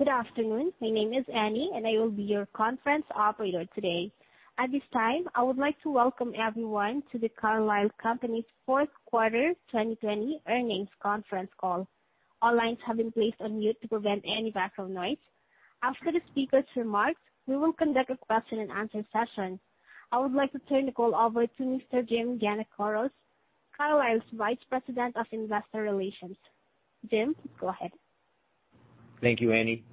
Good afternoon. My name is Annie, and I will be your conference operator today. At this time, I would like to welcome everyone to the Carlisle Companies' Fourth Quarter 2020 Earnings Conference Call. All lines have been placed on mute to prevent any background noise. After the speaker's remarks, we will conduct a question-and-answer session. I would like to turn the call over to Mr. Jim Giannakouros, Carlisle's Vice President of Investor Relations. Jim, please go ahead. Thank you, Annie.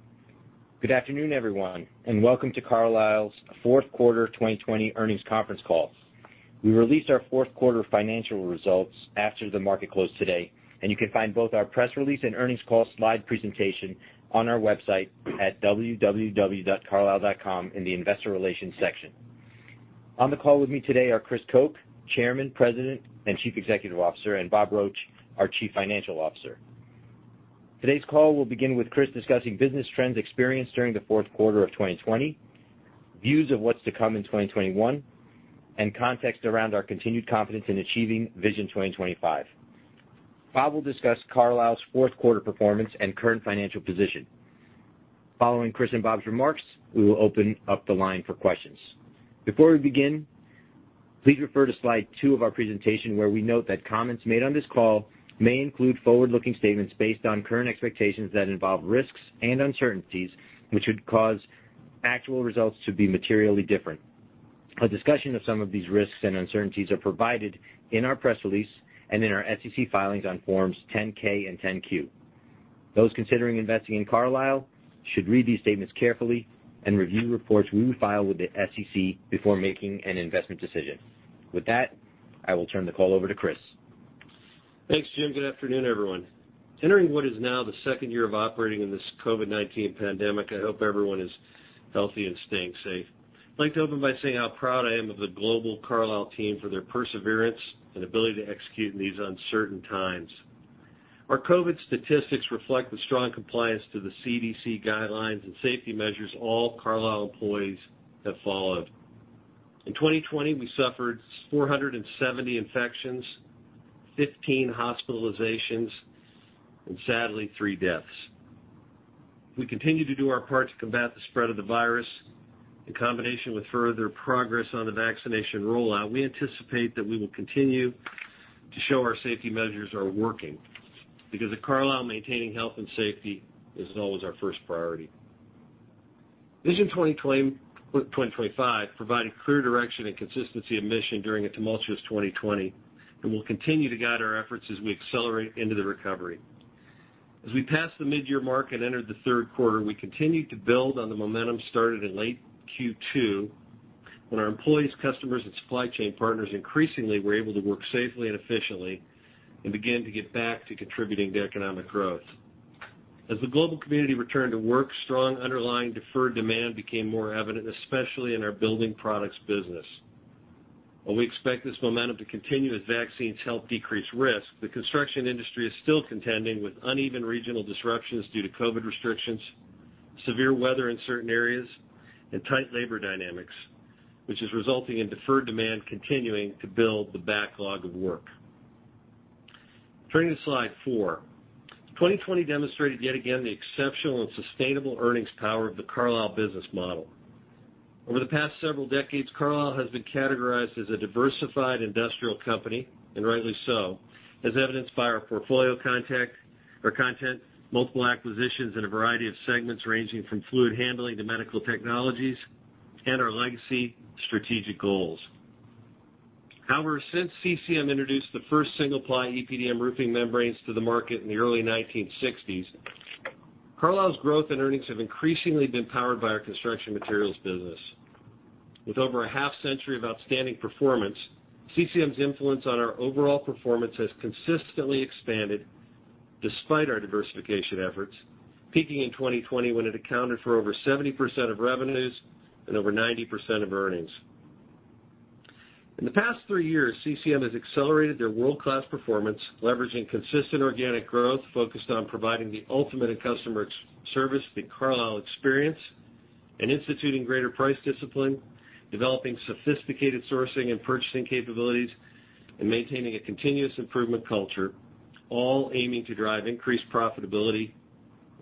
Good afternoon, everyone, and welcome to Carlisle's Fourth Quarter 2020 Earnings Conference Call. We released our Fourth Quarter financial results after the market closed today, and you can find both our press release and earnings call slide presentation on our website at www.carlisle.com in the Investor Relations section. On the call with me today are Chris Koch, Chairman, President, and Chief Executive Officer, and Bob Roche, our Chief Financial Officer. Today's call will begin with Chris discussing business trends experienced during the Fourth Quarter of 2020, views of what's to come in 2021, and context around our continued confidence in achieving Vision 2025. Bob will discuss Carlisle's Fourth Quarter performance and current financial position. Following Chris and Bob's remarks, we will open up the line for questions. Before we begin, please refer to slide two of our presentation where we note that comments made on this call may include forward-looking statements based on current expectations that involve risks and uncertainties which would cause actual results to be materially different. A discussion of some of these risks and uncertainties is provided in our press release and in our SEC filings on Forms 10-K and 10-Q. Those considering investing in Carlisle should read these statements carefully and review reports we will file with the SEC before making an investment decision. With that, I will turn the call over to Chris. Thanks, Jim. Good afternoon, everyone. Entering what is now the second year of operating in this COVID-19 pandemic, I hope everyone is healthy and staying safe. I'd like to open by saying how proud I am of the global Carlisle team for their perseverance and ability to execute in these uncertain times. Our COVID statistics reflect the strong compliance to the CDC guidelines and safety measures all Carlisle employees have followed. In 2020, we suffered 470 infections, 15 hospitalizations, and sadly, three deaths. We continue to do our part to combat the spread of the virus. In combination with further progress on the vaccination rollout, we anticipate that we will continue to show our safety measures are working because at Carlisle, maintaining health and safety is always our first priority. Vision 2025 provided clear direction and consistency of mission during a tumultuous 2020 and will continue to guide our efforts as we accelerate into the recovery. As we passed the mid-year mark and entered the third quarter, we continued to build on the momentum started in late Q2 when our employees, customers, and supply chain partners increasingly were able to work safely and efficiently and begin to get back to contributing to economic growth. As the global community returned to work, strong underlying deferred demand became more evident, especially in our building products business. While we expect this momentum to continue as vaccines help decrease risk, the construction industry is still contending with uneven regional disruptions due to COVID restrictions, severe weather in certain areas, and tight labor dynamics, which is resulting in deferred demand continuing to build the backlog of work. Turning to slide four, 2020 demonstrated yet again the exceptional and sustainable earnings power of the Carlisle business model. Over the past several decades, Carlisle has been categorized as a diversified industrial company, and rightly so, as evidenced by our portfolio content, multiple acquisitions, and a variety of segments ranging from fluid handling to medical technologies and our legacy strategic goals. However, since CCM introduced the first single-ply EPDM roofing membranes to the market in the early 1960s, Carlisle's growth and earnings have increasingly been powered by our construction materials business. With over a half-century of outstanding performance, CCM's influence on our overall performance has consistently expanded despite our diversification efforts, peaking in 2020 when it accounted for over 70% of revenues and over 90% of earnings. In the past three years, CCM has accelerated their world-class performance, leveraging consistent organic growth focused on providing the ultimate in customer service through Carlisle Experience and instituting greater price discipline, developing sophisticated sourcing and purchasing capabilities, and maintaining a continuous improvement culture, all aiming to drive increased profitability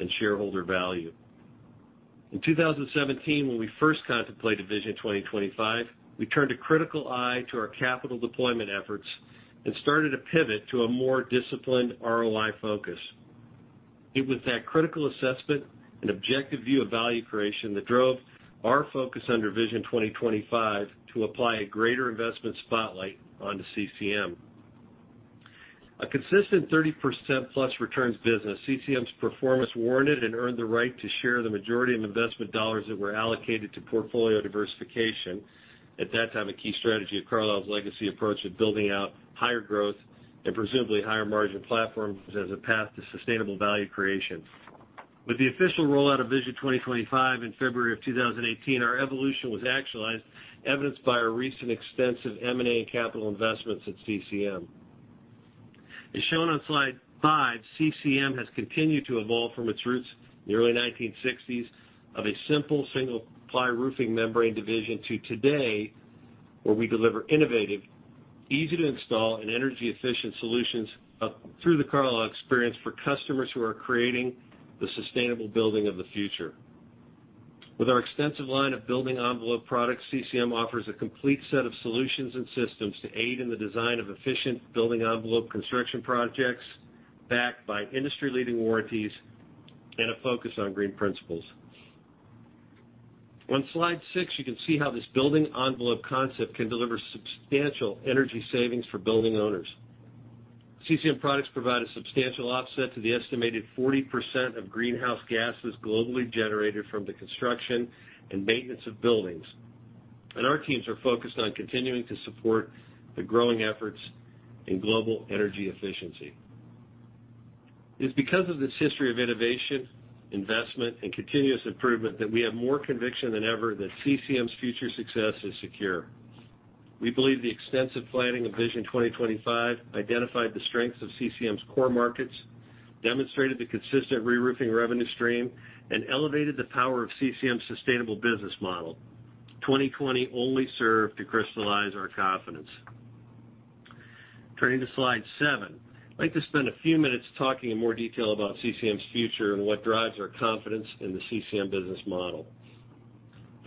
and shareholder value. In 2017, when we first contemplated Vision 2025, we turned a critical eye to our capital deployment efforts and started a pivot to a more disciplined ROI focus. It was that critical assessment and objective view of value creation that drove our focus under Vision 2025 to apply a greater investment spotlight onto CCM. A consistent 30%+ returns business, CCM's performance warranted and earned the right to share the majority of investment dollars that were allocated to portfolio diversification, at that time a key strategy of Carlisle's legacy approach of building out higher growth and presumably higher margin platforms as a path to sustainable value creation. With the official rollout of Vision 2025 in February of 2018, our evolution was actualized, evidenced by our recent extensive M&A and capital investments at CCM. As shown on slide five, CCM has continued to evolve from its roots in the early 1960s of a simple single-ply roofing membrane division to today where we deliver innovative, easy-to-install, and energy-efficient solutions through the Carlisle Experience for customers who are creating the sustainable building of the future. With our extensive line of building envelope products, CCM offers a complete set of solutions and systems to aid in the design of efficient building envelope construction projects backed by industry-leading warranties and a focus on green principles. On slide six, you can see how this building envelope concept can deliver substantial energy savings for building owners. CCM products provide a substantial offset to the estimated 40% of greenhouse gases globally generated from the construction and maintenance of buildings, and our teams are focused on continuing to support the growing efforts in global energy efficiency. It is because of this history of innovation, investment, and continuous improvement that we have more conviction than ever that CCM's future success is secure. We believe the extensive planning of Vision 2025 identified the strengths of CCM's core markets, demonstrated the consistent reroofing revenue stream, and elevated the power of CCM's sustainable business model. 2020 only served to crystallize our confidence. Turning to slide seven, I'd like to spend a few minutes talking in more detail about CCM's future and what drives our confidence in the CCM business model.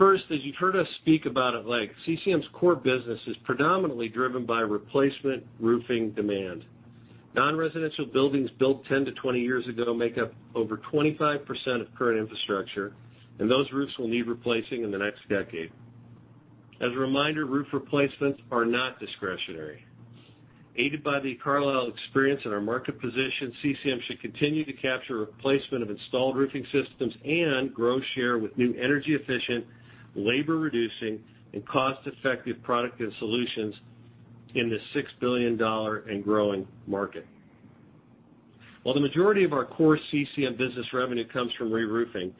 First, as you've heard us speak about at length, CCM's core business is predominantly driven by replacement roofing demand. Non-residential buildings built 10 to 20 years ago make up over 25% of current infrastructure, and those roofs will need replacing in the next decade. As a reminder, roof replacements are not discretionary. Aided by the Carlisle Experience and our market position, CCM should continue to capture replacement of installed roofing systems and grow share with new energy-efficient, labor-reducing, and cost-effective products and solutions in this $6 billion and growing market. While the majority of our core CCM business revenue comes from reroofing,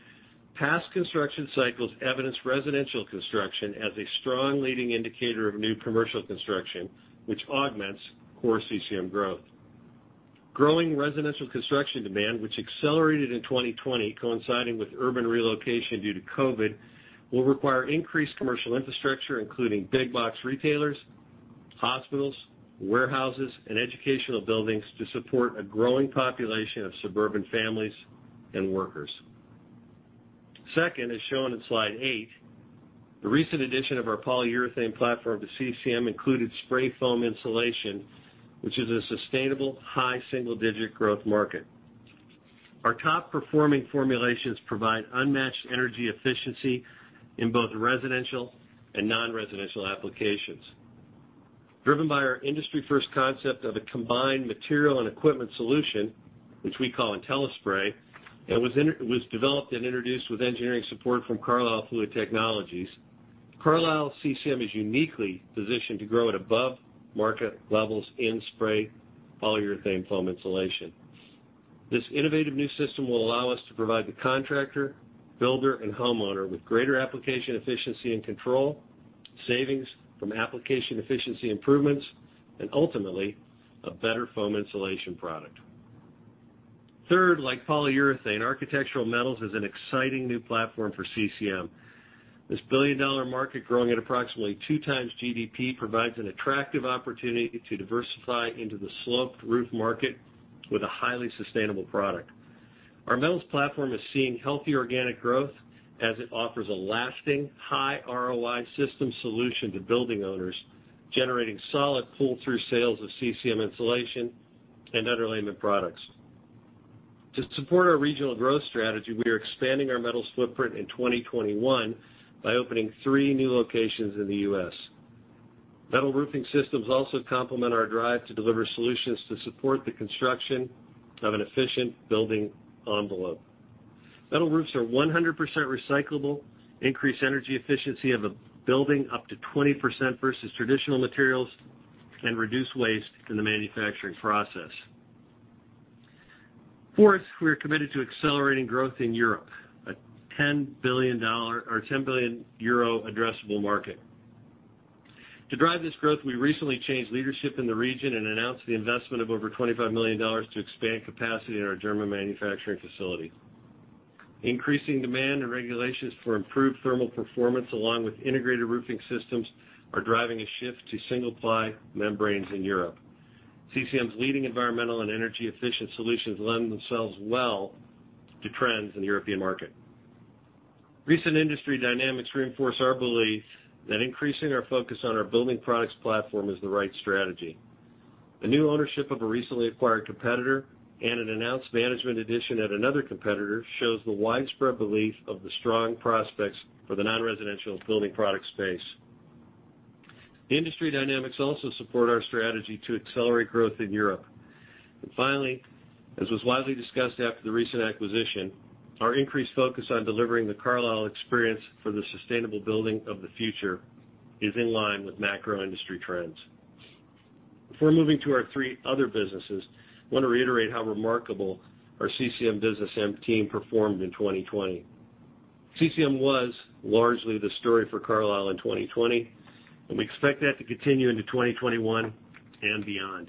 past construction cycles evidence residential construction as a strong leading indicator of new commercial construction, which augments core CCM growth. Growing residential construction demand, which accelerated in 2020 coinciding with urban relocation due to COVID, will require increased commercial infrastructure including big-box retailers, hospitals, warehouses, and educational buildings to support a growing population of suburban families and workers. Second, as shown in slide eight, the recent addition of our polyurethane platform to CCM included spray foam insulation, which is a sustainable high single-digit growth market. Our top-performing formulations provide unmatched energy efficiency in both residential and non-residential applications. Driven by our industry-first concept of a combined material and equipment solution, which we call IntelliSpray, it was developed and introduced with engineering support from Carlisle Fluid Technologies. Carlisle CCM is uniquely positioned to grow at above-market levels in spray polyurethane foam insulation. This innovative new system will allow us to provide the contractor, builder, and homeowner with greater application efficiency and control, savings from application efficiency improvements, and ultimately a better foam insulation product. Third, like polyurethane, architectural metals is an exciting new platform for CCM. This billion-dollar market, growing at approximately two times GDP, provides an attractive opportunity to diversify into the sloped roof market with a highly sustainable product. Our metals platform is seeing healthy organic growth as it offers a lasting high ROI system solution to building owners, generating solid pull-through sales of CCM insulation and underlayment products. To support our regional growth strategy, we are expanding our metals footprint in 2021 by opening three new locations in the U.S. Metal roofing systems also complement our drive to deliver solutions to support the construction of an efficient building envelope. Metal roofs are 100% recyclable, increase energy efficiency of a building up to 20% versus traditional materials, and reduce waste in the manufacturing process. Fourth, we are committed to accelerating growth in Europe, a 10 billion euro addressable market. To drive this growth, we recently changed leadership in the region and announced the investment of over $25 million to expand capacity in our German manufacturing facility. Increasing demand and regulations for improved thermal performance along with integrated roofing systems are driving a shift to single-ply membranes in Europe. CCM's leading environmental and energy-efficient solutions lend themselves well to trends in the European market. Recent industry dynamics reinforce our belief that increasing our focus on our building products platform is the right strategy. A new ownership of a recently acquired competitor and an announced management addition at another competitor shows the widespread belief of the strong prospects for the non-residential building product space. Industry dynamics also support our strategy to accelerate growth in Europe, and finally, as was widely discussed after the recent acquisition, our increased focus on delivering the Carlisle Experience for the sustainable building of the future is in line with macro-industry trends. Before moving to our three other businesses, I want to reiterate how remarkable our CCM business team performed in 2020. CCM was largely the story for Carlisle in 2020, and we expect that to continue into 2021 and beyond.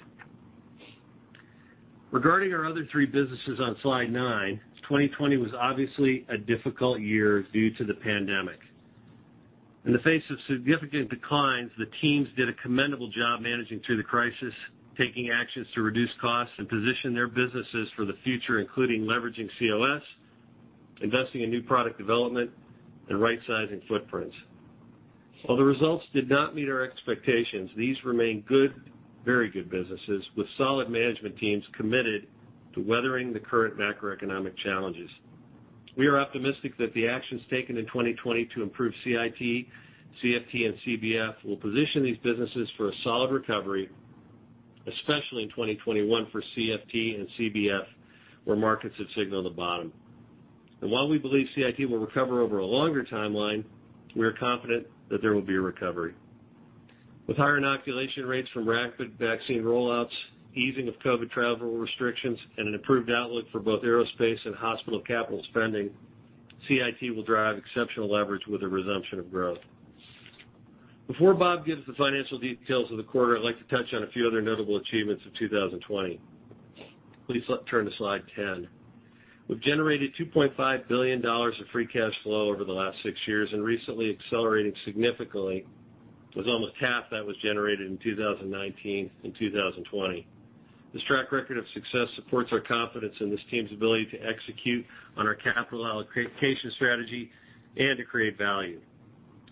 Regarding our other three businesses on slide nine, 2020 was obviously a difficult year due to the pandemic. In the face of significant declines, the teams did a commendable job managing through the crisis, taking actions to reduce costs and position their businesses for the future, including leveraging COS, investing in new product development, and right-sizing footprints. While the results did not meet our expectations, these remain good, very good businesses with solid management teams committed to weathering the current macroeconomic challenges. We are optimistic that the actions taken in 2020 to improve CIT, CFT, and CBF will position these businesses for a solid recovery, especially in 2021 for CFT and CBF where markets have signaled the bottom, and while we believe CIT will recover over a longer timeline, we are confident that there will be a recovery. With higher inoculation rates from rapid vaccine rollouts, easing of COVID travel restrictions, and an improved outlook for both aerospace and hospital capital spending, CIT will drive exceptional leverage with the resumption of growth. Before Bob gives the financial details of the quarter, I'd like to touch on a few other notable achievements of 2020. Please turn to slide 10. We've generated $2.5 billion of free cash flow over the last six years and recently accelerated significantly. It was almost half that was generated in 2019 and 2020. This track record of success supports our confidence in this team's ability to execute on our capital allocation strategy and to create value.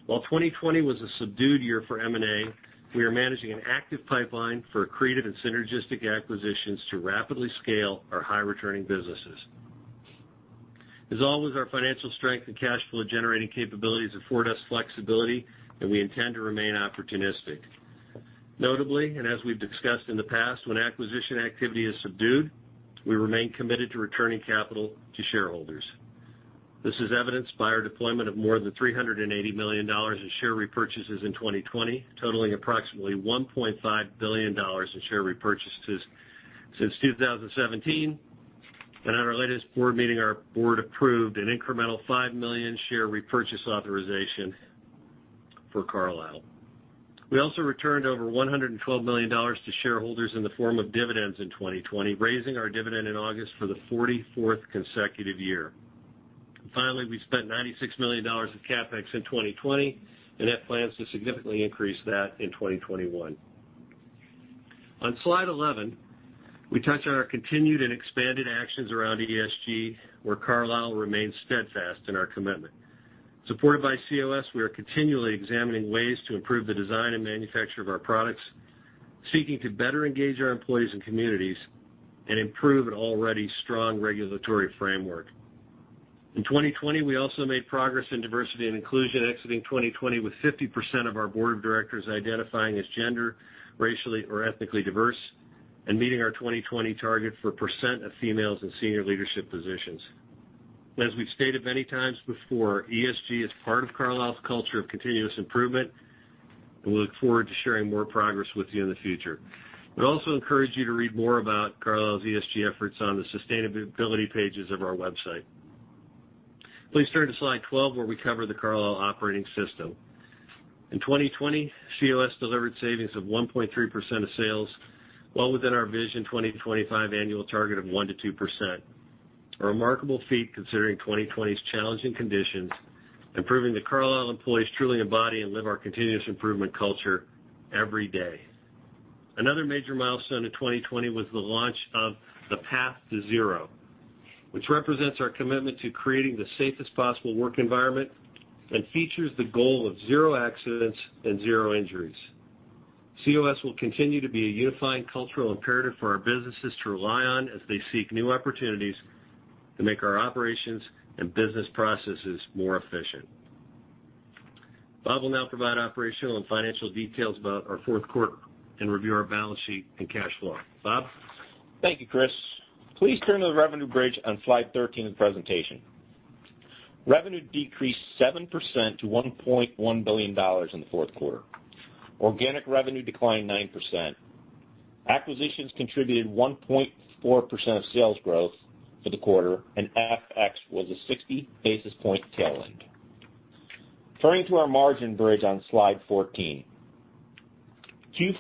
While 2020 was a subdued year for M&A, we are managing an active pipeline for creative and synergistic acquisitions to rapidly scale our high-returning businesses. As always, our financial strength and cash flow generating capabilities afford us flexibility, and we intend to remain opportunistic. Notably, and as we've discussed in the past, when acquisition activity is subdued, we remain committed to returning capital to shareholders. This is evidenced by our deployment of more than $380 million in share repurchases in 2020, totaling approximately $1.5 billion in share repurchases since 2017, and at our latest board meeting, our board approved an incremental $5 million share repurchase authorization for Carlisle. We also returned over $112 million to shareholders in the form of dividends in 2020, raising our dividend in August for the 44th consecutive year. Finally, we spent $96 million of CapEx in 2020, and have plans to significantly increase that in 2021. On slide 11, we touch on our continued and expanded actions around ESG, where Carlisle remains steadfast in our commitment. Supported by COS, we are continually examining ways to improve the design and manufacture of our products, seeking to better engage our employees and communities, and improve an already strong regulatory framework. In 2020, we also made progress in diversity and inclusion, exiting 2020 with 50% of our board of directors identifying as gender, racially, or ethnically diverse, and meeting our 2020 target for percent of females in senior leadership positions. As we've stated many times before, ESG is part of Carlisle's culture of continuous improvement, and we look forward to sharing more progress with you in the future. We also encourage you to read more about Carlisle's ESG efforts on the sustainability pages of our website. Please turn to slide 12, where we cover the Carlisle Operating System. In 2020, COS delivered savings of 1.3% of sales, well within our Vision 2025 annual target of 1%-2%. A remarkable feat considering 2020's challenging conditions, and proving that Carlisle employees truly embody and live our continuous improvement culture every day. Another major milestone in 2020 was the launch of the Path to Zero, which represents our commitment to creating the safest possible work environment and features the goal of zero accidents and zero injuries. COS will continue to be a unifying cultural imperative for our businesses to rely on as they seek new opportunities to make our operations and business processes more efficient. Bob will now provide operational and financial details about our fourth quarter and review our balance sheet and cash flow. Bob? Thank you, Chris. Please turn to the revenue bridge on slide 13 of the presentation. Revenue decreased 7% to $1.1 billion in the fourth quarter. Organic revenue declined 9%. Acquisitions contributed 1.4% of sales growth for the quarter, and FX was a 60 basis point tailwind. Turning to our margin bridge on slide 14,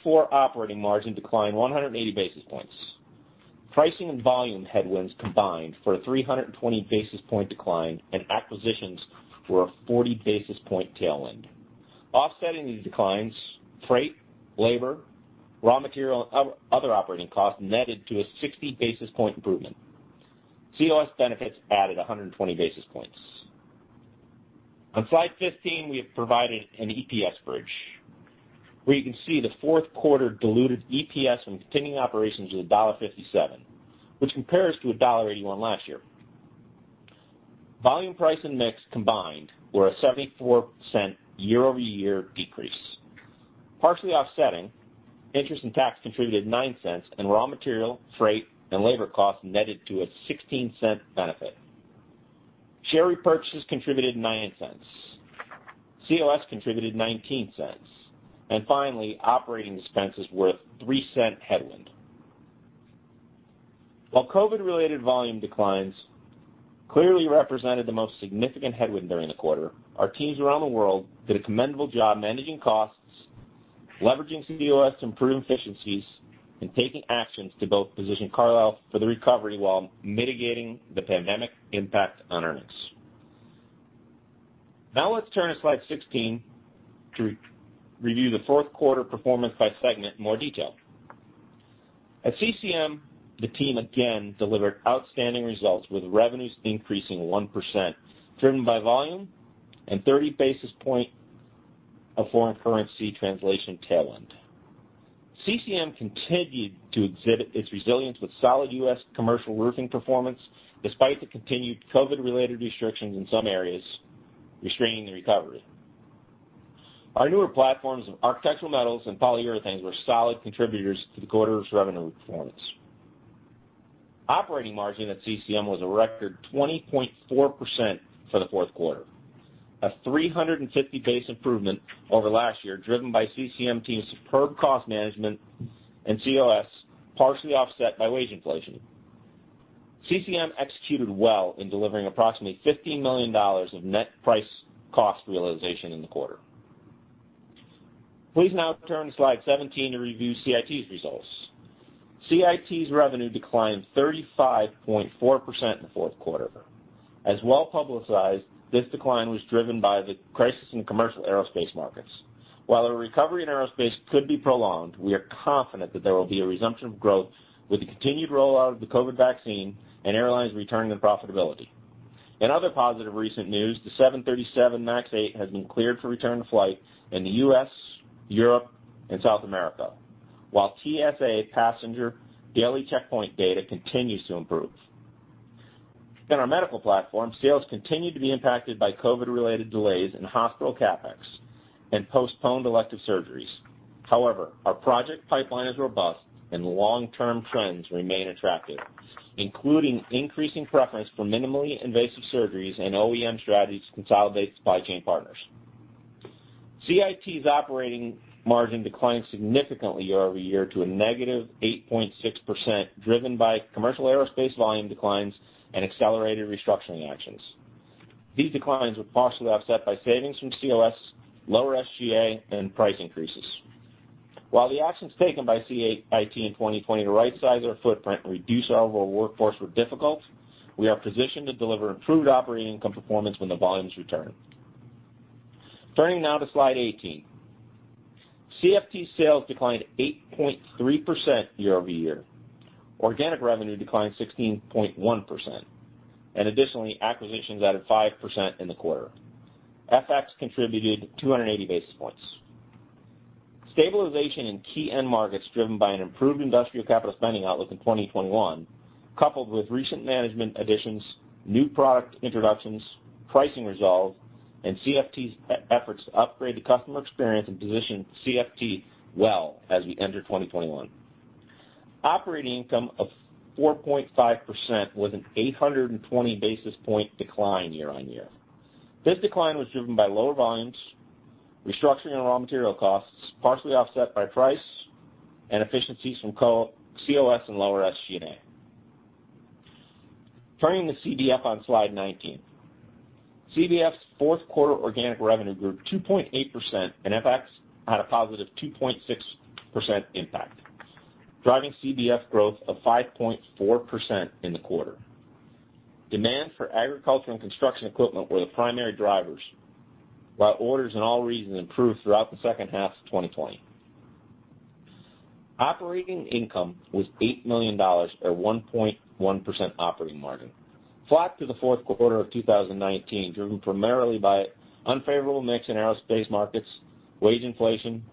Q4 operating margin declined 180 basis points. Pricing and volume headwinds combined for a 320 basis point decline, and acquisitions were a 40 basis point tailwind. Offsetting these declines, freight, labor, raw material, and other operating costs netted to a 60 basis point improvement. COS benefits added 120 basis points. On slide 15, we have provided an EPS bridge, where you can see the fourth quarter diluted EPS from continuing operations was $1.57, which compares to $1.81 last year. Volume, price, and mix combined were a 74% year-over-year decrease. Partially offsetting, interest and tax contributed $0.09, and raw material, freight, and labor costs netted to a $0.16 benefit. Share repurchases contributed $0.09. COS contributed $0.19. And finally, operating expenses were a $0.03 headwind. While COVID-related volume declines clearly represented the most significant headwind during the quarter, our teams around the world did a commendable job managing costs, leveraging COS to improve efficiencies, and taking actions to both position Carlisle for the recovery while mitigating the pandemic impact on earnings. Now let's turn to slide 16 to review the fourth quarter performance by segment in more detail. At CCM, the team again delivered outstanding results with revenues increasing 1%, driven by volume and 30 basis points of foreign currency translation tailwind. CCM continued to exhibit its resilience with solid U.S. commercial roofing performance despite the continued COVID-related restrictions in some areas, restraining the recovery. Our newer platforms of architectural metals and polyurethanes were solid contributors to the quarter's revenue performance. Operating margin at CCM was a record 20.4% for the fourth quarter, a 350 basis point improvement over last year, driven by CCM team's superb cost management and COS, partially offset by wage inflation. CCM executed well in delivering approximately $15 million of net price cost realization in the quarter. Please now turn to slide 17 to review CIT's results. CIT's revenue declined 35.4% in the fourth quarter. As well publicized, this decline was driven by the crisis in the commercial aerospace markets. While a recovery in aerospace could be prolonged, we are confident that there will be a resumption of growth with the continued rollout of the COVID vaccine and airlines returning to profitability. In other positive recent news, the 737 MAX 8 has been cleared for return to flight in the U.S., Europe, and South America, while TSA passenger daily checkpoint data continues to improve. In our medical platform, sales continued to be impacted by COVID-related delays in hospital CapEx and postponed elective surgeries. However, our project pipeline is robust, and long-term trends remain attractive, including increasing preference for minimally invasive surgeries and OEM strategies to consolidate supply chain partners. CIT's operating margin declined significantly year-over-year to a negative 8.6%, driven by commercial aerospace volume declines and accelerated restructuring actions. These declines were partially offset by savings from COS, lower SGA, and price increases. While the actions taken by CIT in 2020 to right-size our footprint and reduce our overall workforce were difficult, we are positioned to deliver improved operating income performance when the volumes return. Turning now to slide 18. CFT sales declined 8.3% year-over-year. Organic revenue declined 16.1%, and additionally, acquisitions added 5% in the quarter. FX contributed 280 basis points. Stabilization in key end markets driven by an improved industrial capital spending outlook in 2021, coupled with recent management additions, new product introductions, pricing resolve, and CFT's efforts to upgrade the customer experience and position CFT well as we enter 2021. Operating income of 4.5% was an 820 basis points decline year-on-year. This decline was driven by lower volumes, restructuring and raw material costs, partially offset by price, and efficiencies from COS and lower SGA. Turning to CBF on slide 19. CBF's fourth quarter organic revenue grew 2.8%, and FX had a positive 2.6% impact, driving CBF growth of 5.4% in the quarter. Demand for agriculture and construction equipment were the primary drivers, while orders in all regions improved throughout the second half of 2020. Operating income was $8 million at a 1.1% operating margin, flat through the fourth quarter of 2019, driven primarily by unfavorable mix in aerospace markets, wage inflation,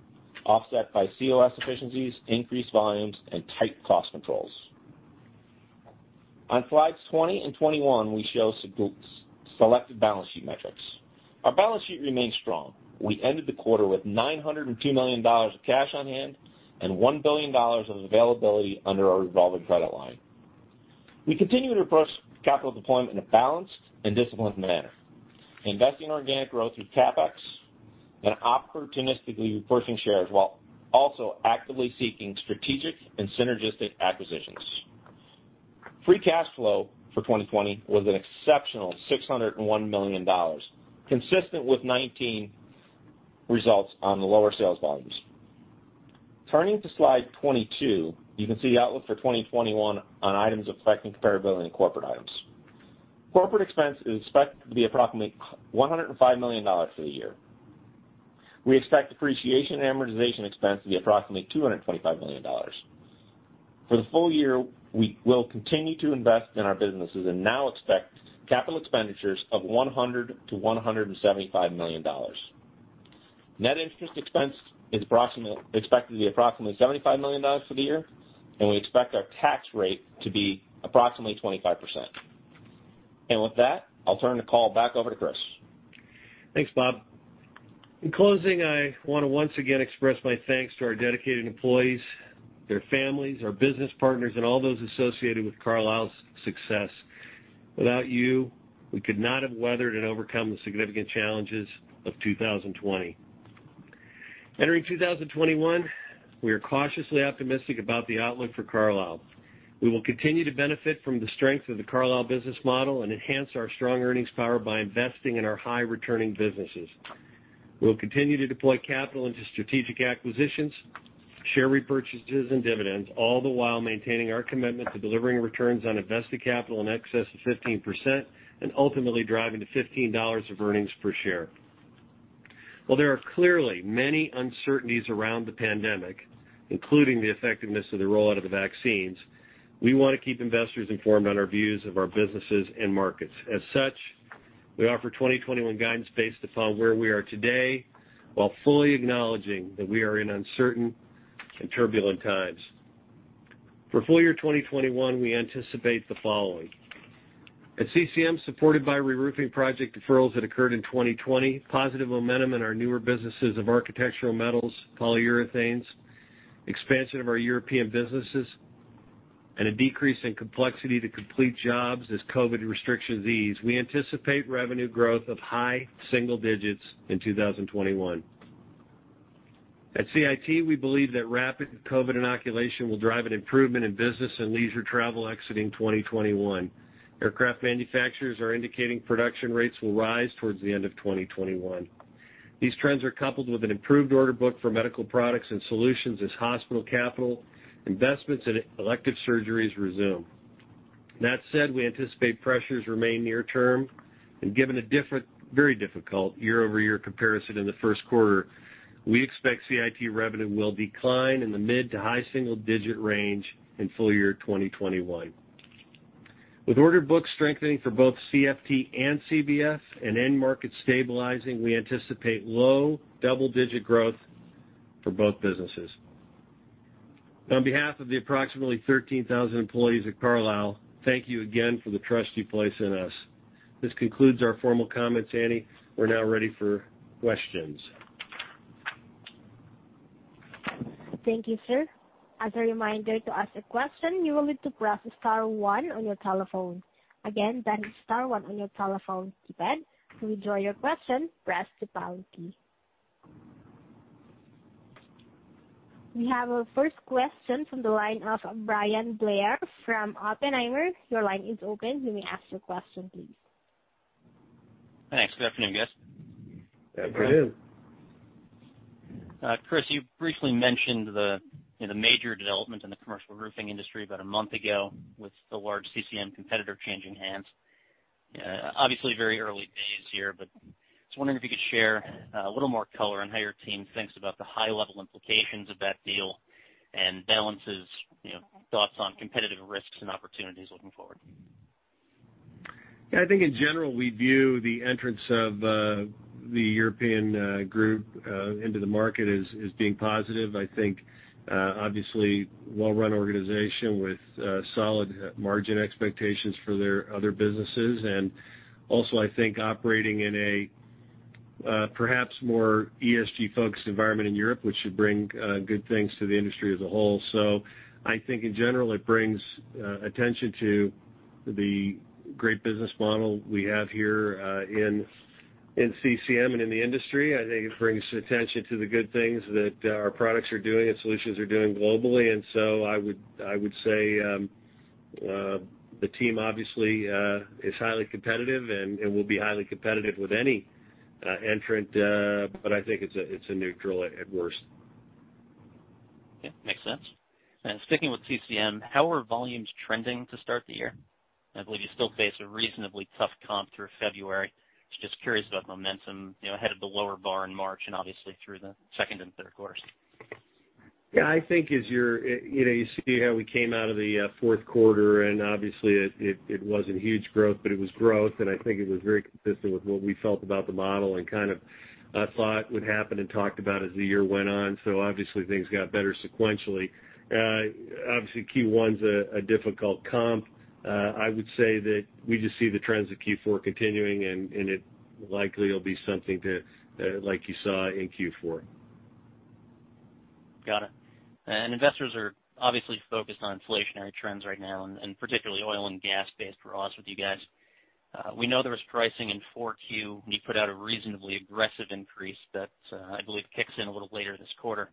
offset by COS efficiencies, increased volumes, and tight cost controls. On slides 20 and 21, we show selected balance sheet metrics. Our balance sheet remained strong. We ended the quarter with $902 million of cash on hand and $1 billion of availability under our revolving credit line. We continued to approach capital deployment in a balanced and disciplined manner, investing in organic growth through CapEx and opportunistically repurchasing shares, while also actively seeking strategic and synergistic acquisitions. Free cash flow for 2020 was an exceptional $601 million, consistent with 2019 results on the lower sales volumes. Turning to slide 22, you can see the outlook for 2021 on items affecting comparability and corporate items. Corporate expense is expected to be approximately $105 million for the year. We expect depreciation and amortization expense to be approximately $225 million. For the full year, we will continue to invest in our businesses and now expect capital expenditures of $100 million -$175 million. Net interest expense is expected to be approximately $75 million for the year, and we expect our tax rate to be approximately 25%. And with that, I'll turn the call back over to Chris. Thanks, Bob. In closing, I want to once again express my thanks to our dedicated employees, their families, our business partners, and all those associated with Carlisle's success. Without you, we could not have weathered and overcome the significant challenges of 2020. Entering 2021, we are cautiously optimistic about the outlook for Carlisle. We will continue to benefit from the strength of the Carlisle business model and enhance our strong earnings power by investing in our high-returning businesses. We'll continue to deploy capital into strategic acquisitions, share repurchases, and dividends, all the while maintaining our commitment to delivering returns on invested capital in excess of 15% and ultimately driving to $15 of earnings per share. While there are clearly many uncertainties around the pandemic, including the effectiveness of the rollout of the vaccines, we want to keep investors informed on our views of our businesses and markets. As such, we offer 2021 guidance based upon where we are today, while fully acknowledging that we are in uncertain and turbulent times. For full year 2021, we anticipate the following: at CCM, supported by reroofing project deferrals that occurred in 2020, positive momentum in our newer businesses of architectural metals, polyurethanes, expansion of our European businesses, and a decrease in complexity to complete jobs as COVID restrictions ease, we anticipate revenue growth of high single digits in 2021. At CIT, we believe that rapid COVID inoculation will drive an improvement in business and leisure travel exiting 2021. Aircraft manufacturers are indicating production rates will rise towards the end of 2021. These trends are coupled with an improved order book for medical products and solutions as hospital capital investments and elective surgeries resume. That said, we anticipate pressures remain near-term, and given a very difficult year-over-year comparison in the first quarter, we expect CIT revenue will decline in the mid- to high-single-digit range in full year 2021. With order book strengthening for both CFT and CBF and end market stabilizing, we anticipate low-double-digit growth for both businesses. On behalf of the approximately 13,000 employees at Carlisle, thank you again for the trust you place in us. This concludes our formal comments, Annie. We're now ready for questions. Thank you, sir. As a reminder to ask a question, you will need to press star one on your telephone. Again, that is star one on your telephone keypad. To withdraw your question, press the pound key. We have a first question from the line of Bryan Blair from Oppenheimer. Your line is open. You may ask your question, please. Hey, good afternoon, guys. Good afternoon. Chris, you briefly mentioned the major development in the commercial roofing industry about a month ago with the large CCM competitor changing hands. Obviously, very early days here, but I was wondering if you could share a little more color on how your team thinks about the high-level implications of that deal and balances thoughts on competitive risks and opportunities looking forward? Yeah, I think in general, we view the entrance of the European group into the market as being positive. I think, obviously, well-run organization with solid margin expectations for their other businesses. And also, I think operating in a perhaps more ESG-focused environment in Europe, which should bring good things to the industry as a whole. So I think in general, it brings attention to the great business model we have here in CCM and in the industry. I think it brings attention to the good things that our products are doing and solutions are doing globally. And so I would say the team obviously is highly competitive and will be highly competitive with any entrant, but I think it's a neutral at worst. Yeah, makes sense. And speaking with CCM, how are volumes trending to start the year? I believe you still face a reasonably tough comp through February. Just curious about momentum ahead of the lower bar in March and obviously through the second and third quarters. Yeah, I think as you see how we came out of the fourth quarter, and obviously, it wasn't huge growth, but it was growth, and I think it was very consistent with what we felt about the model and kind of thought would happen and talked about as the year went on, so obviously, things got better sequentially. Obviously, Q1 is a difficult comp. I would say that we just see the trends of Q4 continuing, and likely it'll be something to, like you saw in Q4. Got it. And investors are obviously focused on inflationary trends right now, and particularly oil and gas-based for us with you guys. We know there was pricing in 4Q, and you put out a reasonably aggressive increase that I believe kicks in a little later this quarter.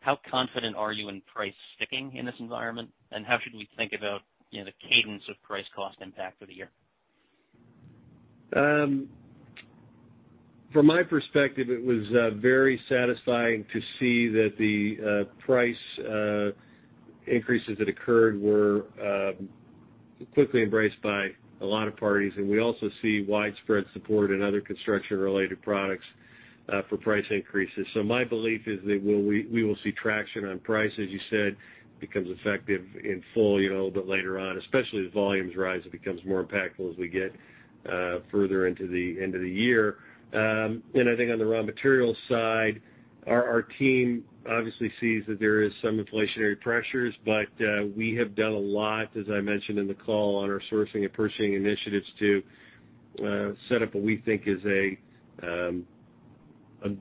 How confident are you in price sticking in this environment? And how should we think about the cadence of price cost impact for the year? From my perspective, it was very satisfying to see that the price increases that occurred were quickly embraced by a lot of parties, and we also see widespread support in other construction-related products for price increases, so my belief is that we will see traction on price as you said becomes effective in full a little bit later on, especially as volumes rise. It becomes more impactful as we get further into the end of the year, and I think on the raw materials side, our team obviously sees that there is some inflationary pressures, but we have done a lot, as I mentioned in the call, on our sourcing and purchasing initiatives to set up what we think is a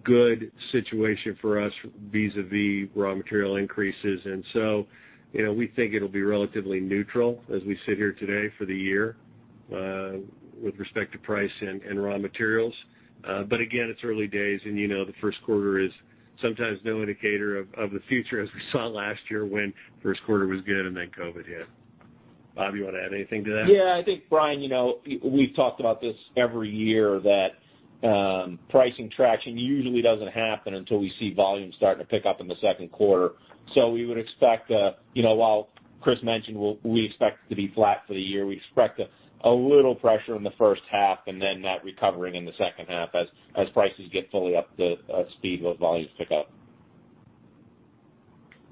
good situation for us vis-à-vis raw material increases. And so we think it'll be relatively neutral as we sit here today for the year with respect to price and raw materials. But again, it's early days, and the first quarter is sometimes no indicator of the future, as we saw last year when first quarter was good and then COVID hit. Bob, you want to add anything to that? Yeah, I think, Bryan, we've talked about this every year, that pricing traction usually doesn't happen until we see volumes starting to pick up in the second quarter. So we would expect, while Chris mentioned, we expect it to be flat for the year, we expect a little pressure in the first half and then that recovering in the second half as prices get fully up to speed with volumes pick up.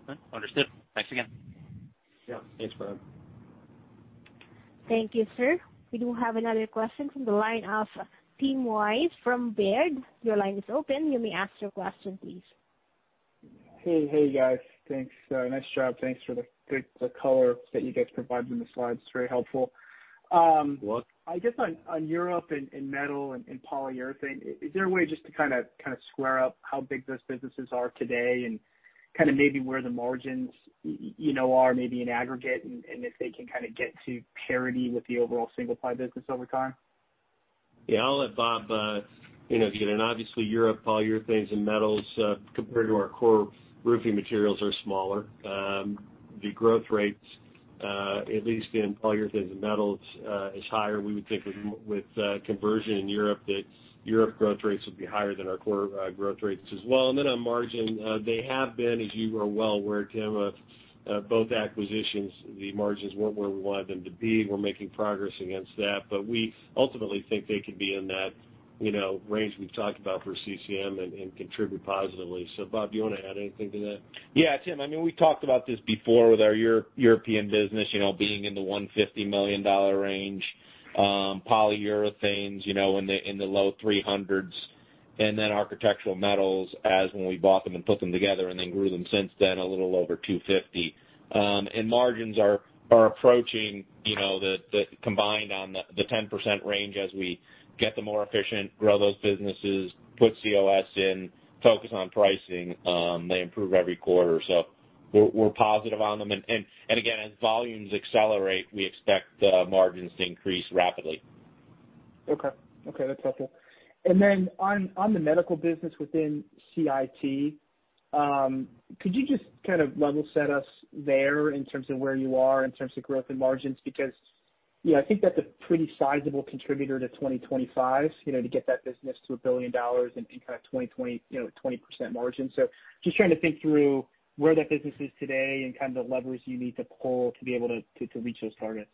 Okay, understood. Thanks again. Yeah, thanks, Brian. Thank you, sir. We do have another question from the line of Tim Wojs from Baird. Your line is open. You may ask your question, please. Hey, hey, guys. Thanks. Nice job. Thanks for the color that you guys provided in the slides. It's very helpful. You're welcome. I guess on Europe and metal and polyurethane, is there a way just to kind of square up how big those businesses are today and kind of maybe where the margins are, maybe in aggregate, and if they can kind of get to parity with the overall single-ply business over time? Yeah, I'll let Bob get in. Obviously, Europe, polyurethanes and metals, compared to our core roofing materials, are smaller. The growth rates, at least in polyurethanes and metals, is higher. We would think with conversion in Europe that Europe growth rates would be higher than our core growth rates as well, and then on margin, they have been, as you are well aware, Tim, of both acquisitions. The margins weren't where we wanted them to be. We're making progress against that, but we ultimately think they could be in that range we've talked about for CCM and contribute positively, so Bob, do you want to add anything to that? Yeah, Tim, I mean, we talked about this before with our European business being in the $150 million range, polyurethanes in the low $300 million, and then architectural metals as when we bought them and put them together and then grew them since then a little over $250 million. And margins are approaching the combined on the 10% range as we get them more efficient, grow those businesses, put COS in, focus on pricing. They improve every quarter. So we're positive on them. And again, as volumes accelerate, we expect margins to increase rapidly. Okay. Okay, that's helpful, and then on the medical business within CIT, could you just kind of level set us there in terms of where you are in terms of growth and margins? Because I think that's a pretty sizable contributor to 2025 to get that business to $1 billion and kind of 20% margin, so just trying to think through where that business is today and kind of the levers you need to pull to be able to reach those targets.